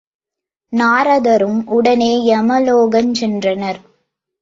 நாரதரும் உடனே யமலோகஞ் சென்றனர்.